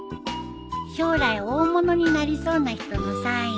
将来大物になりそうな人のサイン。